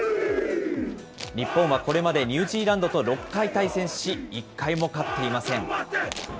日本はこれまでニュージーランドと６回対戦し、一回も勝っていません。